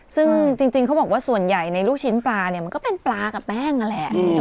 ซึ่งจริงเขาบอกว่าส่วนใหญ่ในลูกชิ้นปลาเนี่ยมันก็เป็นปลากับแป้งนั่นแหละ